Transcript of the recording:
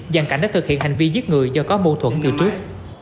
giàn cảnh để thực hiện hành vi giết người do có mâu thuẫn từ trước